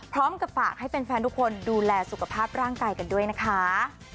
พร้อมกับฝากให้แฟนทุกคนดูแลสุขภาพร่างกายกันด้วยนะคะ